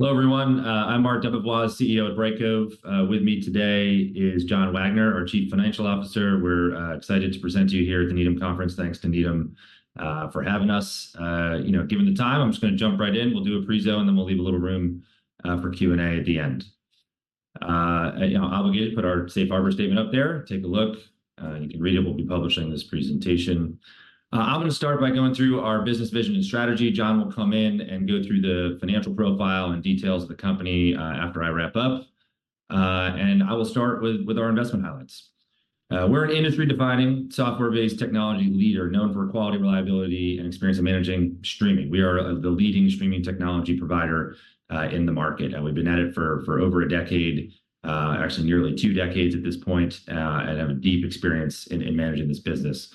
Hello, everyone. I'm Marc DeBevoise, CEO at Brightcove. With me today is John Wagner, our Chief Financial Officer. We're excited to present to you here at the Needham Conference. Thanks to Needham for having us. Given the time, I'm just gonna jump right in. We'll do a presentation, and then we'll leave a little room for Q&A at the end. You know, obligated to put our safe harbor statement up there. Take a look. You can read it. We'll be publishing this presentation. I'm gonna start by going through our business vision and strategy. John will come in and go through the financial profile and details of the company after I wrap up. And I will start with our investment highlights. We're an industry-defining, software-based technology leader, known for quality, reliability, and experience in managing streaming. We are the leading streaming technology provider in the market, and we've been at it for over a decade, actually nearly two decades at this point, and have a deep experience in managing this business.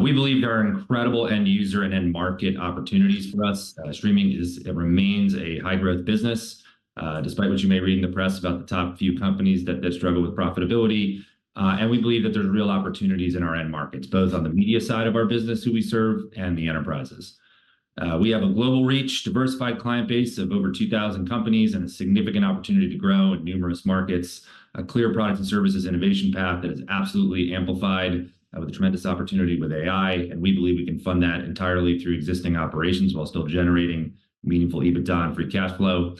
We believe there are incredible end-user and end market opportunities for us. It remains a high-growth business, despite what you may read in the press about the top few companies that struggle with profitability. We believe that there are real opportunities in our end markets, both on the media side of our business, who we serve, and the enterprises. We have a global reach, diversified client base of over 2,000 companies, and a significant opportunity to grow in numerous markets. A clear product and services innovation path that is absolutely amplified with a tremendous opportunity with AI, and we believe we can fund that entirely through existing operations while still generating meaningful EBITDA and free cash flow.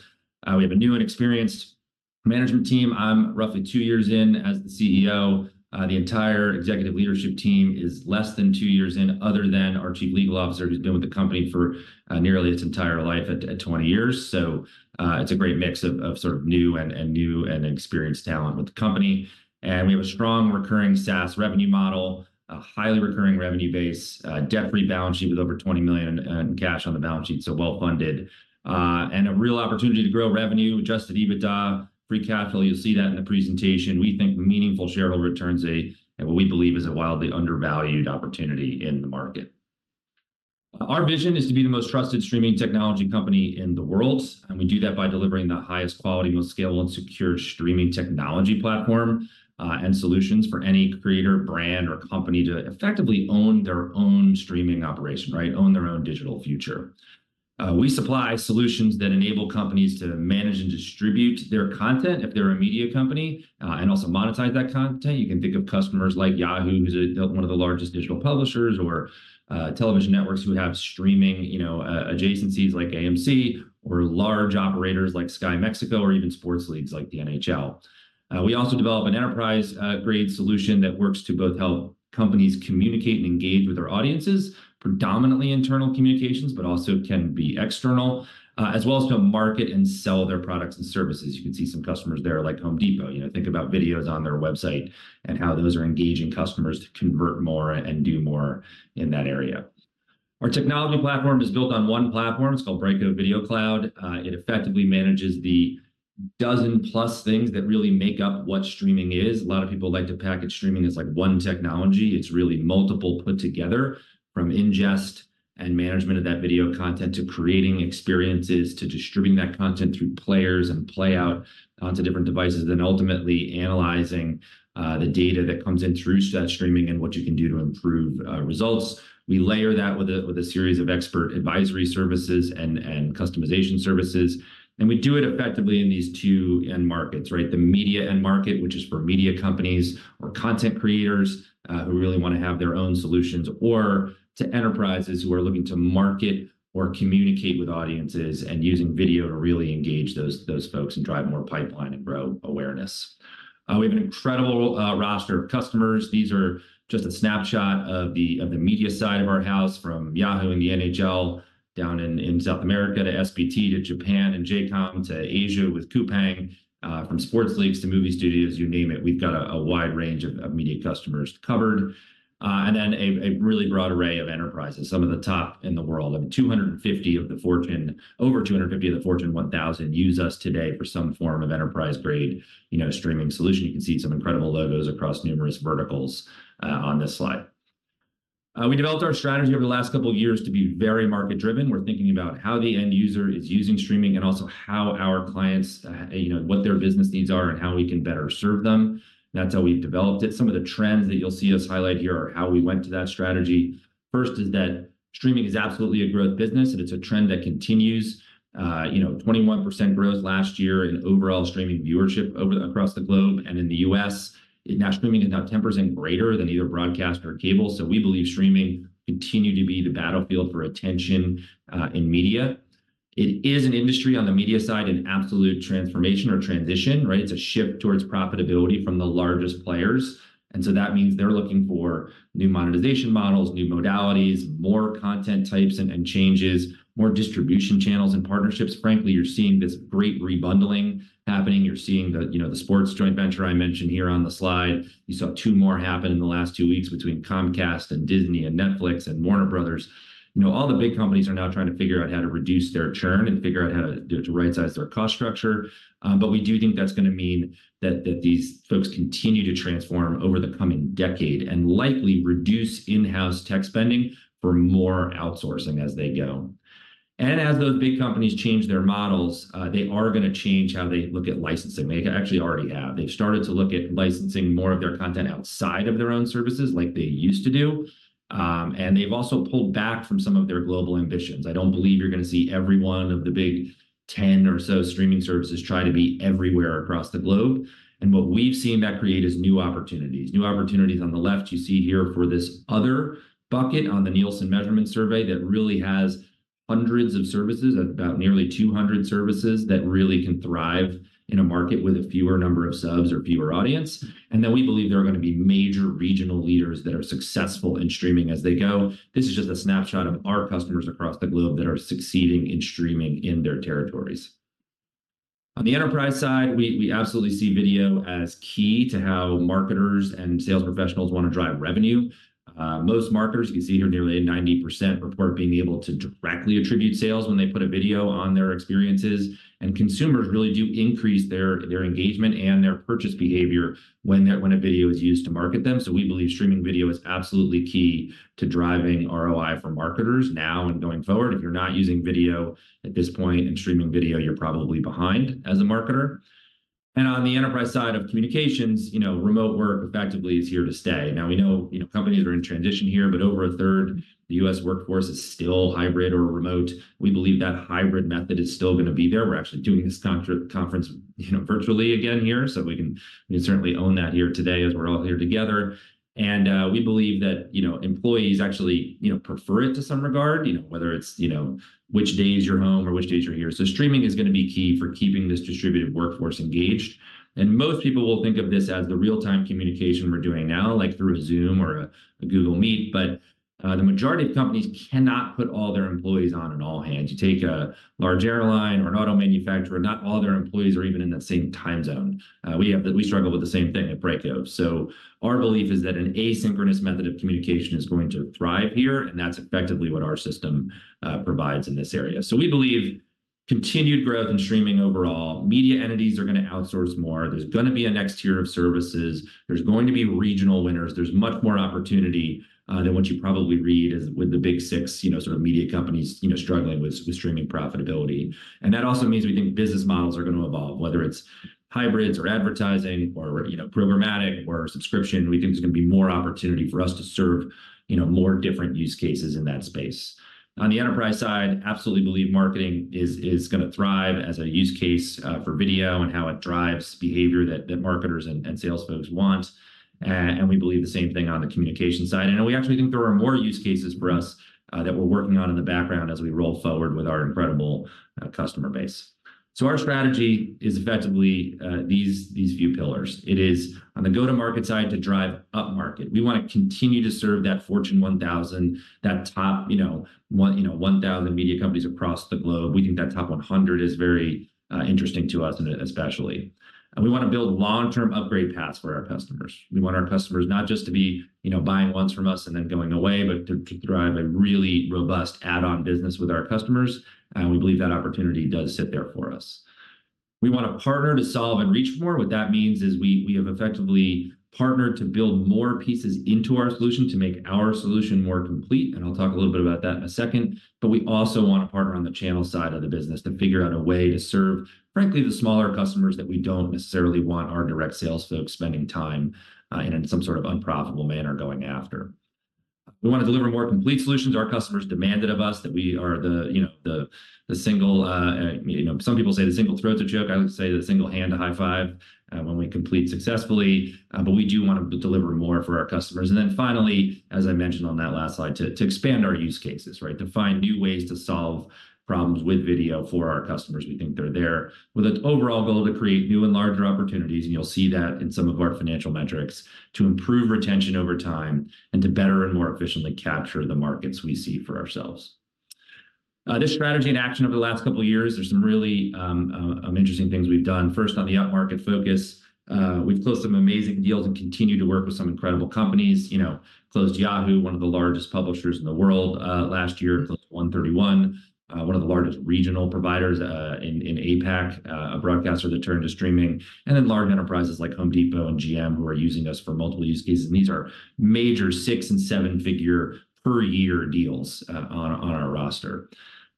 We have a new and experienced management team. I'm roughly two years in as the CEO. The entire executive leadership team is less than two years in, other than our Chief Legal Officer, who's been with the company for nearly its entire life at 20 years. So, it's a great mix of sort of new and experienced talent with the company. And we have a strong recurring SaaS revenue model, a highly recurring revenue base, debt-free balance sheet with over $20 million in cash on the balance sheet, so well-funded. And a real opportunity to grow revenue, adjusted EBITDA, free cash flow. You'll see that in the presentation. We think meaningful shareholder returns at what we believe is a wildly undervalued opportunity in the market. Our vision is to be the most trusted streaming technology company in the world, and we do that by delivering the highest quality, most scalable and secure streaming technology platform, and solutions for any creator, brand, or company to effectively own their own streaming operation, right? Own their own digital future. We supply solutions that enable companies to manage and distribute their content if they're a media company, and also monetize that content. You can think of customers like Yahoo!, who's a, one of the largest digital publishers or, television networks who have streaming, you know, adjacencies like AMC or large operators like Sky Mexico or even sports leagues like the NHL. We also develop an enterprise grade solution that works to both help companies communicate and engage with their audiences, predominantly internal communications, but also can be external, as well as to market and sell their products and services. You can see some customers there, like Home Depot. You know, think about videos on their website and how those are engaging customers to convert more and do more in that area. Our technology platform is built on one platform. It's called Brightcove Video Cloud. It effectively manages the dozen-plus things that really make up what streaming is. A lot of people like to package streaming as like one technology. It's really multiple put together from ingest and management of that video content, to creating experiences, to distributing that content through players and playout onto different devices, then ultimately analyzing, the data that comes in through that streaming and what you can do to improve, results. We layer that with a series of expert advisory services and customization services, and we do it effectively in these two end markets, right? The media end market, which is for media companies or content creators, who really wanna have their own solutions, or to enterprises who are looking to market or communicate with audiences and using video to really engage those, those folks and drive more pipeline and grow awareness. We have an incredible, roster of customers. These are just a snapshot of the media side of our house, from Yahoo! and the NHL down in South America, to SPT, to Japan and J:COM, to Asia with Coupang, from sports leagues to movie studios, you name it. We've got a wide range of media customers covered, and then a really broad array of enterprises. Some of the top in the world, over 250 of the Fortune 1000 use us today for some form of enterprise-grade, you know, streaming solution. You can see some incredible logos across numerous verticals on this slide. We developed our strategy over the last couple of years to be very market-driven. We're thinking about how the end user is using streaming and also how our clients, you know, what their business needs are and how we can better serve them. That's how we've developed it. Some of the trends that you'll see us highlight here are how we went to that strategy. First is that streaming is absolutely a growth business, and it's a trend that continues. You know, 21% growth last year in overall streaming viewership across the globe and in the U.S. Now, streaming is now 10% greater than either broadcast or cable, so we believe streaming continue to be the battlefield for attention in media. It is an industry, on the media side, an absolute transformation or transition, right? It's a shift towards profitability from the largest players, and so that means they're looking for new monetization models, new modalities, more content types and changes, more distribution channels and partnerships. Frankly, you're seeing this great rebundling happening. You're seeing, you know, the sports joint venture I mentioned here on the slide. You saw two more happen in the last two weeks between Comcast and Disney and Netflix and Warner Brothers. You know, all the big companies are now trying to figure out how to reduce their churn and figure out how to right-size their cost structure. But we do think that's gonna mean that these folks continue to transform over the coming decade and likely reduce in-house tech spending for more outsourcing as they go. And as those big companies change their models, they are gonna change how they look at licensing. They actually already have. They've started to look at licensing more of their content outside of their own services like they used to do, and they've also pulled back from some of their global ambitions. I don't believe you're gonna see every one of the big 10 or so streaming services try to be everywhere across the globe. And what we've seen that create is new opportunities, new opportunities on the left you see here for this other bucket on the Nielsen Measurement Survey that really has hundreds of services, about nearly 200 services, that really can thrive in a market with a fewer number of subs or fewer audience. And then we believe there are gonna be major regional leaders that are successful in streaming as they go. This is just a snapshot of our customers across the globe that are succeeding in streaming in their territories. On the enterprise side, we absolutely see video as key to how marketers and sales professionals want to drive revenue. Most marketers, you can see here, nearly 90% report being able to directly attribute sales when they put a video on their experiences. And consumers really do increase their engagement and their purchase behavior when a video is used to market them. So we believe streaming video is absolutely key to driving ROI for marketers now and going forward. If you're not using video at this point, and streaming video, you're probably behind as a marketer. And on the enterprise side of communications, remote work effectively is here to stay. Now, we know, you know, companies are in transition here, but over a third, the U.S. workforce is still hybrid or remote. We believe that hybrid method is still gonna be there. We're actually doing this conference, you know, virtually again here, so we can, we can certainly own that here today as we're all here together. And we believe that, you know, employees actually, you know, prefer it to some regard, you know, whether it's, you know, which days you're home or which days you're here. So streaming is gonna be key for keeping this distributed workforce engaged. And most people will think of this as the real-time communication we're doing now, like through a Zoom or a Google Meet. But the majority of companies cannot put all their employees on an all-hands. You take a large airline or an auto manufacturer, not all their employees are even in that same time zone. We struggle with the same thing at Brightcove. So our belief is that an asynchronous method of communication is going to thrive here, and that's effectively what our system provides in this area. So we believe continued growth in streaming overall. Media entities are gonna outsource more. There's gonna be a next tier of services. There's going to be regional winners. There's much more opportunity than what you probably read as with the big six, you know, sort of media companies, you know, struggling with streaming profitability. And that also means we think business models are gonna evolve, whether it's hybrids or advertising or, you know, programmatic or subscription, we think there's gonna be more opportunity for us to serve, you know, more different use cases in that space. On the enterprise side, we absolutely believe marketing is gonna thrive as a use case for video and how it drives behavior that marketers and sales folks want. We believe the same thing on the communication side. We actually think there are more use cases for us that we're working on in the background as we roll forward with our incredible customer base. Our strategy is effectively these few pillars. It is on the go-to-market side to drive upmarket. We want to continue to serve that Fortune 1000, that top, you know, 1,000 media companies across the globe. We think that top 100 is very interesting to us, especially. We want to build long-term upgrade paths for our customers. We want our customers not just to be, you know, buying once from us and then going away, but to drive a really robust add-on business with our customers, and we believe that opportunity does sit there for us. We want to partner to solve and reach more. What that means is we have effectively partnered to build more pieces into our solution to make our solution more complete, and I'll talk a little bit about that in a second. But we also want to partner on the channel side of the business to figure out a way to serve, frankly, the smaller customers that we don't necessarily want our direct sales folks spending time in some sort of unprofitable manner going after. We wanna deliver more complete solutions. Our customers demanded of us that we are the, you know, the single, you know, some people say the single throat to choke. I would say the single hand to high five when we complete successfully, but we do want to deliver more for our customers. And then finally, as I mentioned on that last slide, to expand our use cases, right? To find new ways to solve problems with video for our customers. We think they're there with an overall goal to create new and larger opportunities, and you'll see that in some of our financial metrics, to improve retention over time and to better and more efficiently capture the markets we see for ourselves. This strategy in action over the last couple of years, there's some really interesting things we've done. First, on the upmarket focus, we've closed some amazing deals and continue to work with some incredible companies. You know, closed Yahoo!, one of the largest publishers in the world, last year. Closed one31, one of the largest regional providers, in APAC, a broadcaster that turned to streaming, and then large enterprises like Home Depot and GM, who are using us for multiple use cases. And these are major 6 and 7 figure per year deals, on our roster.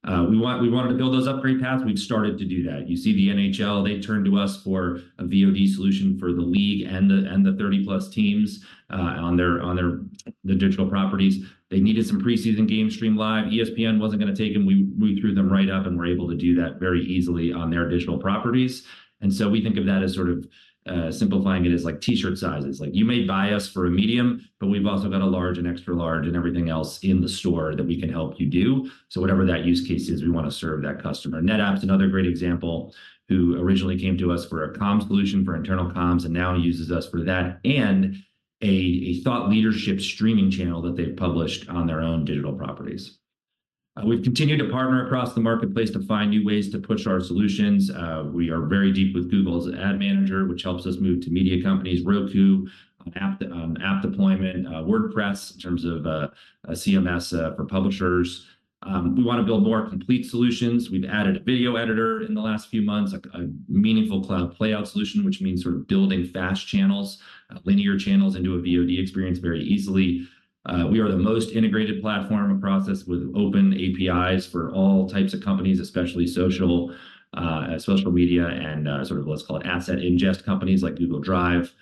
We wanted to build those upgrade paths. We've started to do that. You see the NHL, they turned to us for a VOD solution for the league and the 30+ teams, on their digital properties. They needed some preseason game stream live. ESPN wasn't gonna take them. We, we threw them right up, and we're able to do that very easily on their digital properties. And so we think of that as sort of, simplifying it as like T-shirt sizes. Like, you may buy us for a medium, but we've also got a large, an extra large, and everything else in the store that we can help you do. So whatever that use case is, we wanna serve that customer. NetApp's another great example, who originally came to us for a comm solution, for internal comms, and now uses us for that and a thought leadership streaming channel that they've published on their own digital properties. We've continued to partner across the marketplace to find new ways to push our solutions. We are very deep with Google's Ad Manager, which helps us move to media companies, Roku app deployment, WordPress, in terms of, a CMS, for publishers. We wanna build more complete solutions. We've added a video editor in the last few months, a meaningful Cloud Playout solution, which means we're building fast channels, linear channels into a VOD experience very easily. We are the most integrated platform and process with open APIs for all types of companies, especially social, social media, and, sort of what's called asset ingest companies like Google Drive.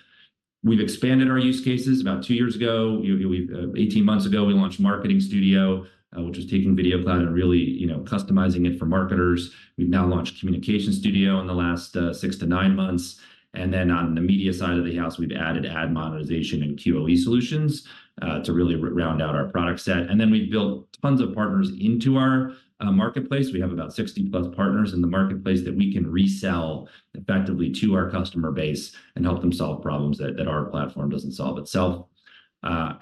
We've expanded our use cases about 2 years ago. We 18 months ago, we launched Marketing Studio, which is taking Video Cloud and really, you know, customizing it for marketers. We've now launched Communications Studio in the last 6-9 months, and then on the media side of the house, we've added ad monetization and QoE solutions to really round out our product set. We've built tons of partners into our marketplace. We have about 60+ partners in the marketplace that we can resell effectively to our customer base and help them solve problems that our platform doesn't solve itself.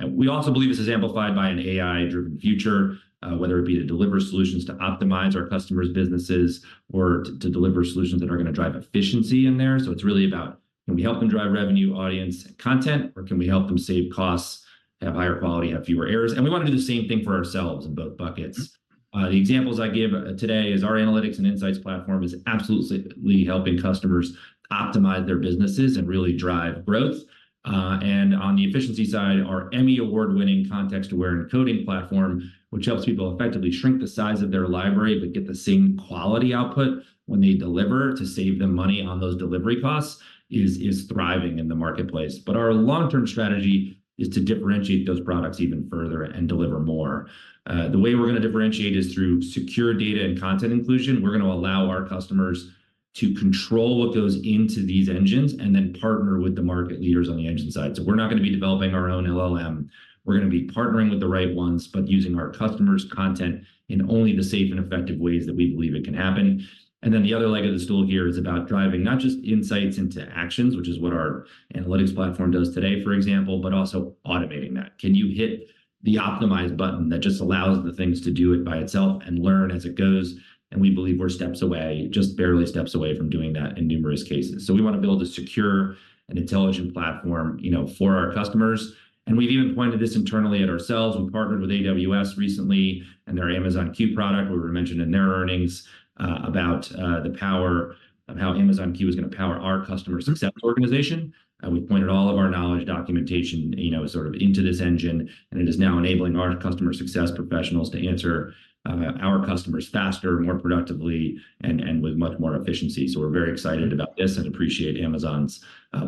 We also believe this is amplified by an AI-driven future, whether it be to deliver solutions to optimize our customers' businesses or to deliver solutions that are gonna drive efficiency in there. So it's really about: Can we help them drive revenue, audience, content, or can we help them save costs, have higher quality, have fewer errors? We wanna do the same thing for ourselves in both buckets. The examples I give today is our analytics and insights platform is absolutely helping customers optimize their businesses and really drive growth. And on the efficiency side, our Emmy award-winning Context-Aware Encoding platform, which helps people effectively shrink the size of their library, but get the same quality output when they deliver to save them money on those delivery costs, is, is thriving in the marketplace. But our long-term strategy is to differentiate those products even further and deliver more. The way we're gonna differentiate is through secure data and content inclusion. We're gonna allow our customers to control what goes into these engines, and then partner with the market leaders on the engine side. So we're not gonna be developing our own LLM. We're gonna be partnering with the right ones, but using our customers' content in only the safe and effective ways that we believe it can happen. And then the other leg of the stool here is about driving not just insights into actions, which is what our analytics platform does today, for example, but also automating that. Can you hit the optimize button that just allows the things to do it by itself and learn as it goes? And we believe we're steps away, just barely steps away from doing that in numerous cases. So we wanna build a secure and intelligent platform, you know, for our customers, and we've even pointed this internally at ourselves. We partnered with AWS recently and their Amazon Q product, where we mentioned in their earnings, about, the power of how Amazon Q is gonna power our customer success organization. We've pointed all of our knowledge, documentation, you know, sort of into this engine, and it is now enabling our customer success professionals to answer our customers faster and more productively and with much more efficiency. So we're very excited about this and appreciate Amazon's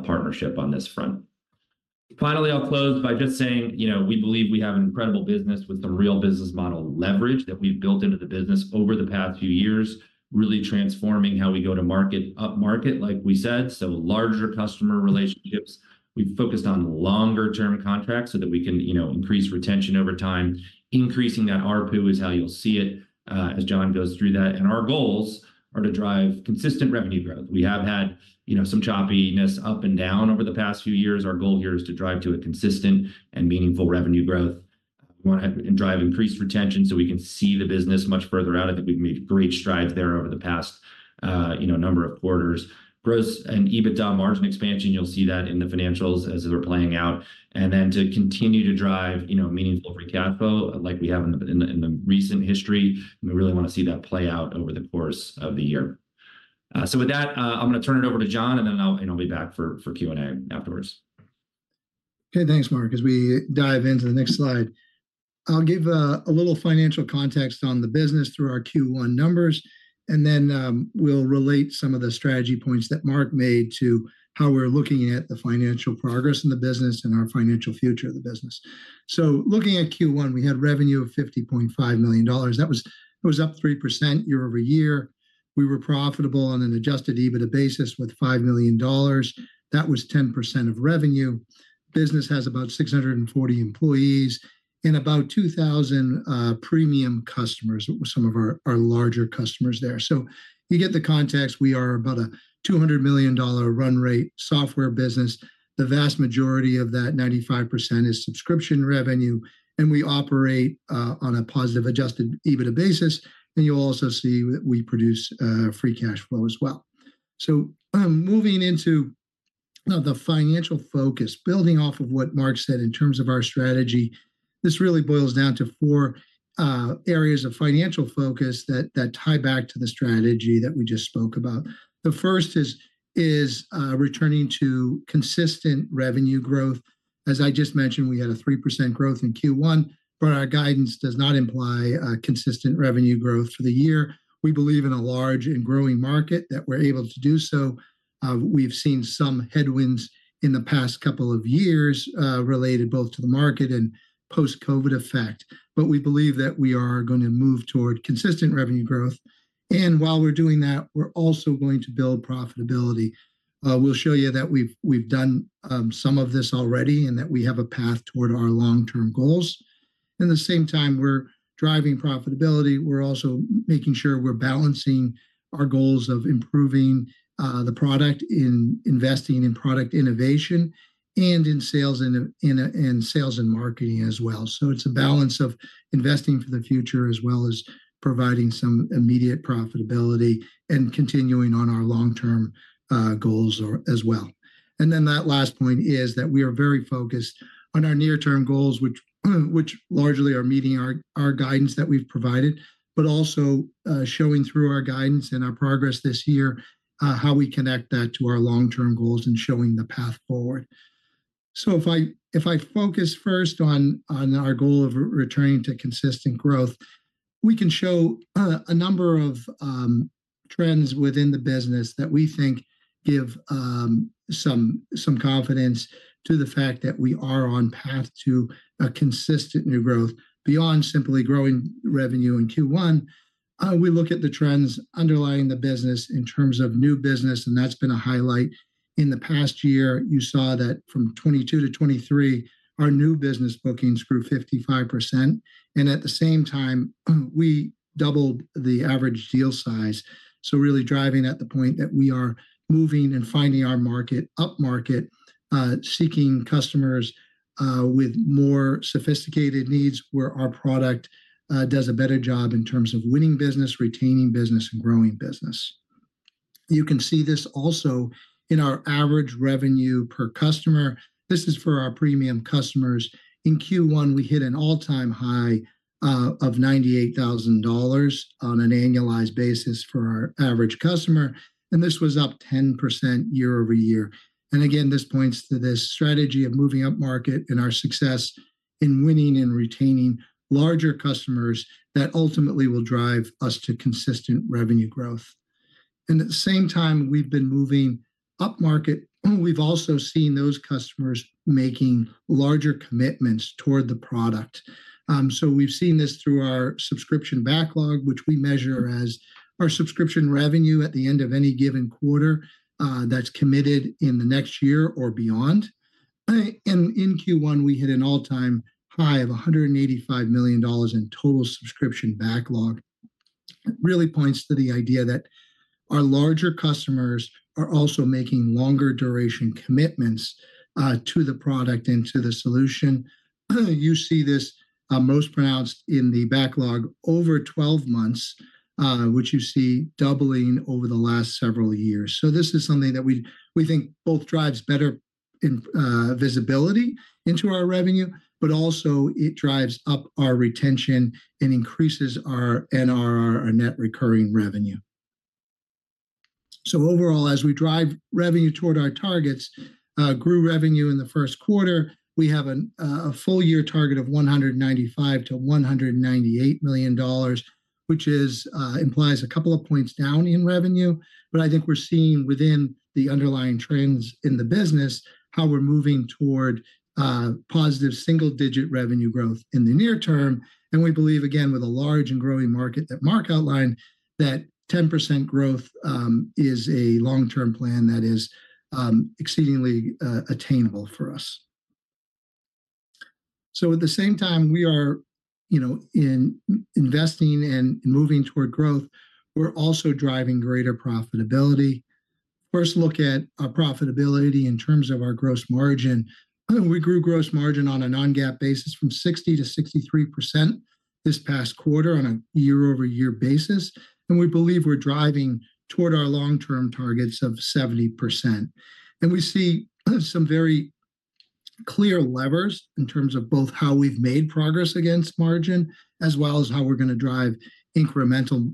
partnership on this front. Finally, I'll close by just saying, you know, we believe we have an incredible business with the real business model leverage that we've built into the business over the past few years, really transforming how we go to market, upmarket, like we said, so larger customer relationships. We've focused on longer-term contracts so that we can, you know, increase retention over time. Increasing that ARPU is how you'll see it, as John goes through that, and our goals are to drive consistent revenue growth. We have had, you know, some choppiness up and down over the past few years. Our goal here is to drive to a consistent and meaningful revenue growth. We wanna drive increased retention so we can see the business much further out. I think we've made great strides there over the past, you know, number of quarters. Gross and EBITDA margin expansion, you'll see that in the financials as they're playing out. And then to continue to drive, you know, meaningful free cash flow like we have in the recent history, and we really wanna see that play out over the course of the year. So with that, I'm gonna turn it over to John, and then I'll be back for Q&A afterwards. Okay, thanks, Marc. As we dive into the next slide, I'll give a little financial context on the business through our Q1 numbers, and then we'll relate some of the strategy points that Marc made to how we're looking at the financial progress in the business and our financial future of the business. So looking at Q1, we had revenue of $50.5 million. That was- that was up 3% year-over-year. We were profitable on an adjusted EBITDA basis with $5 million. That was 10% of revenue. Business has about 640 employees and about 2,000 premium customers, some of our larger customers there. So you get the context. We are about a $200 million run-rate software business. The vast majority of that, 95%, is subscription revenue, and we operate on a positive, adjusted EBITDA basis. You'll also see that we produce free cash flow as well. Moving into the financial focus, building off of what Mark said in terms of our strategy, this really boils down to four areas of financial focus that tie back to the strategy that we just spoke about. The first is returning to consistent revenue growth. As I just mentioned, we had a 3% growth in Q1, but our guidance does not imply consistent revenue growth for the year. We believe in a large and growing market that we're able to do so. We've seen some headwinds in the past couple of years, related both to the market and post-COVID effect. But we believe that we are gonna move toward consistent revenue growth, and while we're doing that, we're also going to build profitability. We'll show you that we've done some of this already, and that we have a path toward our long-term goals. In the same time we're driving profitability, we're also making sure we're balancing our goals of improving the product in investing in product innovation and in sales and in sales and marketing as well. So it's a balance of investing for the future, as well as providing some immediate profitability and continuing on our long-term goals or as well. Then that last point is that we are very focused on our near-term goals, which largely are meeting our guidance that we've provided, but also showing through our guidance and our progress this year how we connect that to our long-term goals and showing the path forward. So if I focus first on our goal of returning to consistent growth, we can show a number of trends within the business that we think give some confidence to the fact that we are on path to a consistent new growth beyond simply growing revenue in Q1. We look at the trends underlying the business in terms of new business, and that's been a highlight. In the past year, you saw that from 2022 to 2023, our new business bookings grew 55%, and at the same time, we doubled the average deal size. So really driving at the point that we are moving and finding our market, upmarket, seeking customers, with more sophisticated needs, where our product does a better job in terms of winning business, retaining business, and growing business. You can see this also in our average revenue per customer. This is for our premium customers. In Q1, we hit an all-time high of $98,000 on an annualized basis for our average customer, and this was up 10% year-over-year. And again, this points to this strategy of moving upmarket and our success in winning and retaining larger customers that ultimately will drive us to consistent revenue growth. At the same time, we've been moving upmarket, we've also seen those customers making larger commitments toward the product. So we've seen this through our subscription backlog, which we measure as our subscription revenue at the end of any given quarter, that's committed in the next year or beyond. In Q1, we hit an all-time high of $185 million in total subscription backlog. It really points to the idea that our larger customers are also making longer duration commitments to the product and to the solution. You see this most pronounced in the backlog over 12 months, which you see doubling over the last several years. So this is something that we, we think both drives better in, visibility into our revenue, but also it drives up our retention and increases our NRR, our net recurring revenue. So overall, as we drive revenue toward our targets, grew revenue in the first quarter. We have an, a full-year target of $195 million-$198 million, which is, implies a couple of points down in revenue. But I think we're seeing within the underlying trends in the business, how we're moving toward, positive single-digit revenue growth in the near term. And we believe, again, with a large and growing market that Mark outlined, that 10% growth, is a long-term plan that is, exceedingly, attainable for us. So at the same time, we are, you know, investing and moving toward growth, we're also driving greater profitability. First, look at our profitability in terms of our gross margin. We grew gross margin on a non-GAAP basis from 60%-63% this past quarter on a year-over-year basis, and we believe we're driving toward our long-term targets of 70%. And we see some very clear levers in terms of both how we've made progress against margin, as well as how we're gonna drive incremental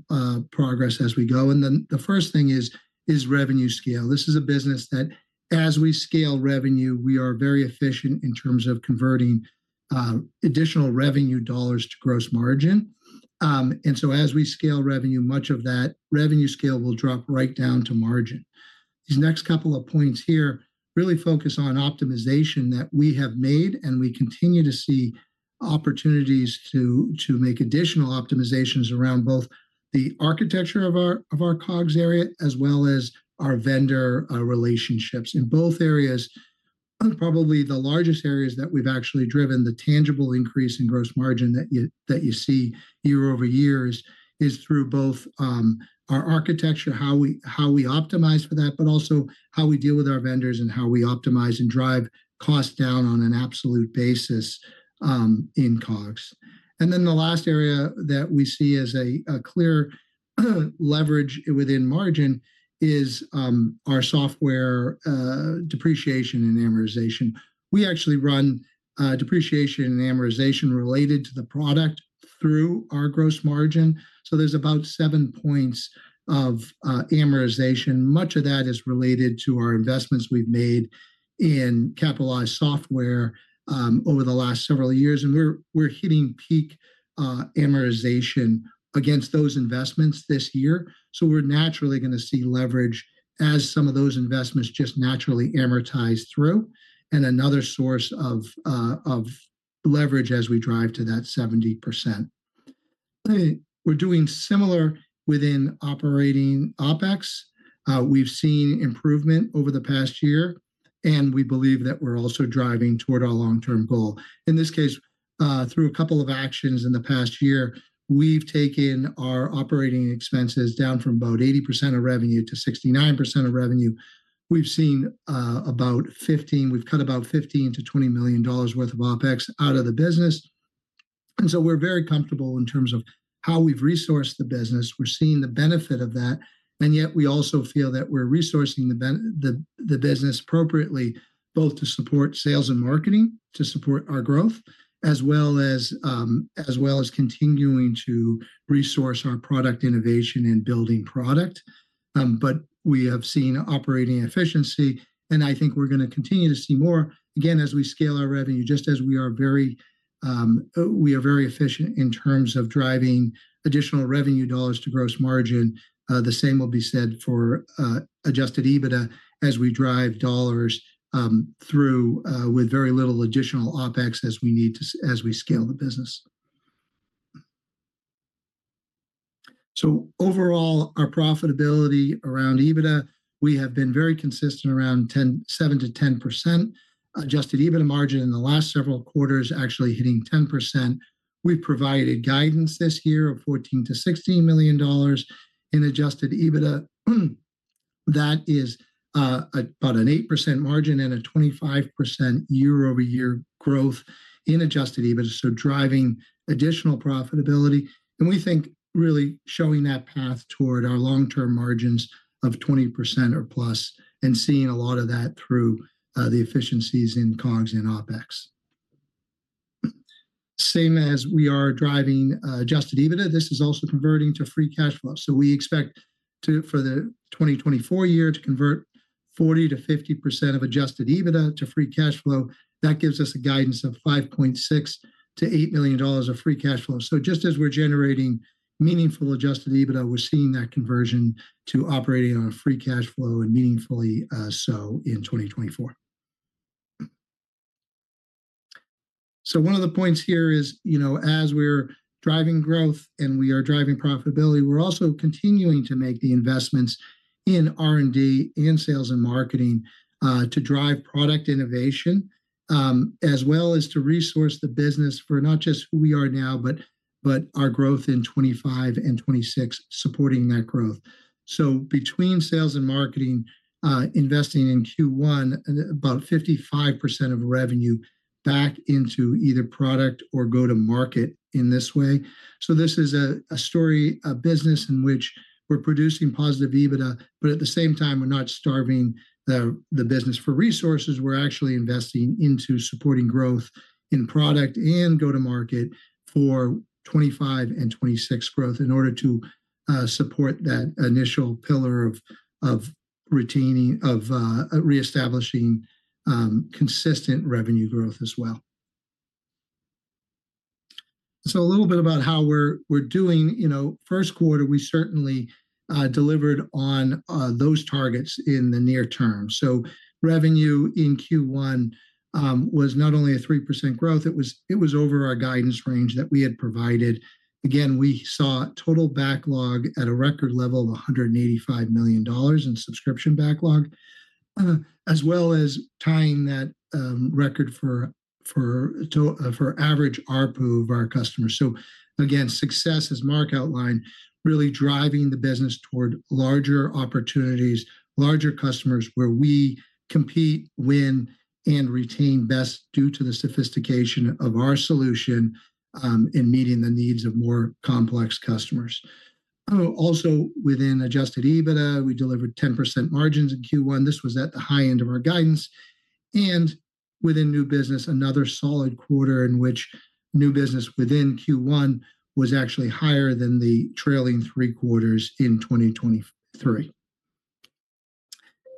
progress as we go. And then the first thing is revenue scale. This is a business that as we scale revenue, we are very efficient in terms of converting additional revenue dollars to gross margin. And so as we scale revenue, much of that revenue scale will drop right down to margin. These next couple of points here really focus on optimization that we have made, and we continue to see opportunities to make additional optimizations around both the architecture of our COGS area, as well as our vendor relationships. In both areas, probably the largest areas that we've actually driven the tangible increase in gross margin that you see year-over-year is through both our architecture, how we optimize for that, but also how we deal with our vendors and how we optimize and drive costs down on an absolute basis in COGS. And then the last area that we see as a clear leverage within margin is our software depreciation and amortization. We actually run depreciation and amortization related to the product through our gross margin. So there's about 7 points of amortization. Much of that is related to our investments we've made in capitalized software over the last several years, and we're hitting peak amortization against those investments this year. So we're naturally gonna see leverage as some of those investments just naturally amortize through, and another source of leverage as we drive to that 70%. We're doing similar within operating OpEx. We've seen improvement over the past year, and we believe that we're also driving toward our long-term goal. In this case, through a couple of actions in the past year, we've taken our operating expenses down from about 80% of revenue to 69% of revenue. We've seen we've cut $15-$20 million worth of OpEx out of the business, and so we're very comfortable in terms of how we've resourced the business. We're seeing the benefit of that, and yet we also feel that we're resourcing the business appropriately, both to support sales and marketing, to support our growth, as well as, as well as continuing to resource our product innovation and building product, but we have seen operating efficiency, and I think we're gonna continue to see more, again, as we scale our revenue. Just as we are very, we are very efficient in terms of driving additional revenue dollars to gross margin, the same will be said for adjusted EBITDA as we drive dollars through with very little additional OpEx as we scale the business. So overall, our profitability around EBITDA, we have been very consistent around 7%-10%. Adjusted EBITDA margin in the last several quarters, actually hitting 10%. We've provided guidance this year of $14 million-$16 million in adjusted EBITDA. That is about an 8% margin and a 25% year-over-year growth in adjusted EBITDA, so driving additional profitability, and we think really showing that path toward our long-term margins of 20% or plus, and seeing a lot of that through the efficiencies in COGS and OpEx. Same as we are driving adjusted EBITDA, this is also converting to free cash flow. So we expect for the 2024 year, to convert 40%-50% of adjusted EBITDA to free cash flow. That gives us a guidance of $5.6 million-$8 million of free cash flow. So just as we're generating meaningful adjusted EBITDA, we're seeing that conversion to operating on a free cash flow and meaningfully, so in 2024. So one of the points here is, you know, as we're driving growth and we are driving profitability, we're also continuing to make the investments in R&D, in sales and marketing, to drive product innovation, as well as to resource the business for not just who we are now, but our growth in 2025 and 2026, supporting that growth. So between sales and marketing, investing in Q1, about 55% of revenue back into either product or go-to-market in this way. So this is a story, a business in which we're producing positive EBITDA, but at the same time, we're not starving the business for resources. We're actually investing into supporting growth in product and go-to-market for 2025 and 2026 growth in order to support that initial pillar of reestablishing consistent revenue growth as well. So a little bit about how we're doing. You know, first quarter, we certainly delivered on those targets in the near term. So revenue in Q1 was not only a 3% growth, it was over our guidance range that we had provided. Again, we saw total backlog at a record level of $185 million in subscription backlog, as well as tying that record for average ARPU of our customers. So again, success, as Marc outlined, really driving the business toward larger opportunities, larger customers, where we compete, win, and retain best due to the sophistication of our solution in meeting the needs of more complex customers. Also, within adjusted EBITDA, we delivered 10% margins in Q1. This was at the high end of our guidance. And within new business, another solid quarter in which new business within Q1 was actually higher than the trailing three quarters in 2023.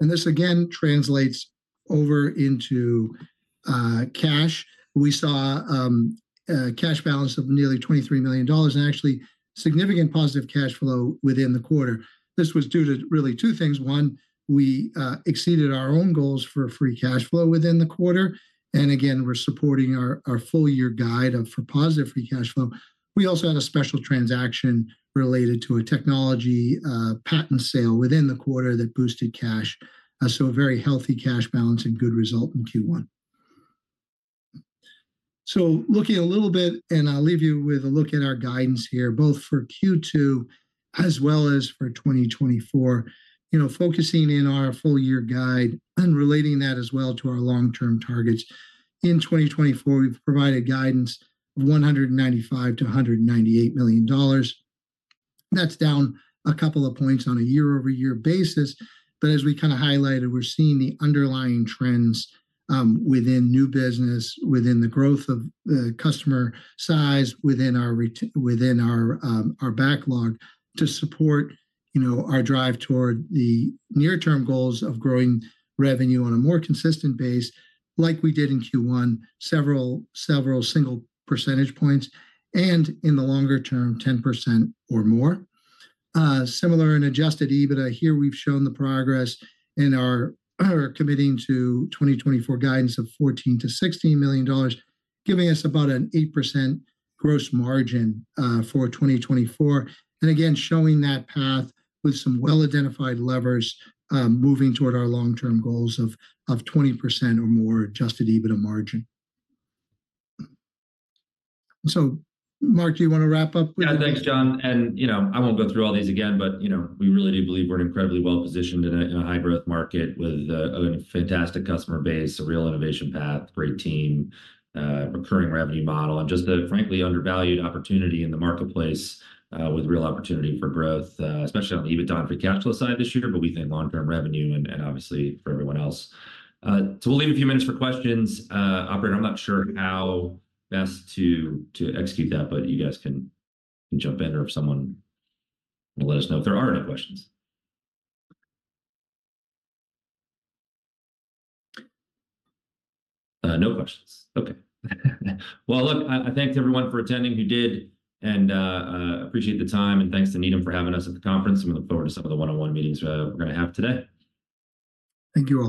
And this again translates over into cash. We saw a cash balance of nearly $23 million, and actually, significant positive cash flow within the quarter. This was due to really two things: One, we exceeded our own goals for free cash flow within the quarter, and again, we're supporting our full-year guide for positive free cash flow. We also had a special transaction related to a technology patent sale within the quarter that boosted cash. So a very healthy cash balance and good result in Q1. So looking a little bit... and I'll leave you with a look at our guidance here, both for Q2 as well as for 2024. Focusing in on our full-year guide and relating that as well to our long-term targets. In 2024, we've provided guidance of $195 million-$198 million. That's down a couple of points on a year-over-year basis, but as we kinda highlighted, we're seeing the underlying trends within new business, within the growth of the customer size, within our within our our backlog, to support, you know, our drive toward the near-term goals of growing revenue on a more consistent base, like we did in Q1, several single percentage points, and in the longer term, 10% or more. Similar in adjusted EBITDA, here we've shown the progress in our our committing to 2024 guidance of $14 million-$16 million, giving us about an 8% gross margin for 2024. And again, showing that path with some well-identified levers moving toward our long-term goals of 20% or more adjusted EBITDA margin. So Mark, do you wanna wrap up? Yeah. Thanks, John. And, you know, I won't go through all these again, but, you know, we really do believe we're incredibly well-positioned in a high-growth market with a fantastic customer base, a real innovation path, great team, recurring revenue model, and just a frankly, undervalued opportunity in the marketplace with real opportunity for growth, especially on the EBITDA and free cash flow side this year, but we think long-term revenue and, and obviously for everyone else. So we'll leave a few minutes for questions. Operator, I'm not sure how best to execute that, but you guys can jump in or if someone will let us know if there are any questions. No questions. Okay. Well, look, I, I thank everyone for attending, who did, and, appreciate the time, and thanks to Needham for having us at the conference. We look forward to some of the one-on-one meetings we're gonna have today. Thank you, all.